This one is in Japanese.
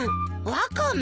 ワカメ。